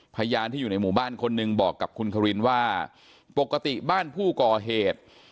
พยานที่อยู่ในหมู่บ้านคนหนึ่งบอกกับคุณควินว่าปกติบ้านผู้ก่อเหตุ